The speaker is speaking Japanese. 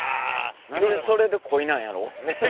何でそれでコイなんやろ？ねえ。